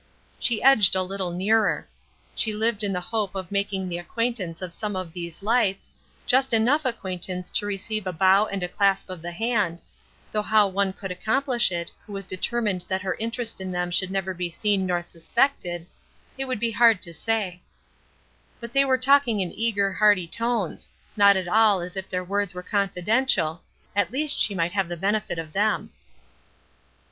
She edged a little nearer. She lived in the hope of making the acquaintance of some of these lights, just enough acquaintance to receive a bow and a clasp of the hand, though how one could accomplish it who was determined that her interest in them should neither be seen nor suspected, it would be hard to say; but they were talking in eager, hearty tones, not at all as if their words were confidential at least she might have the benefit of them.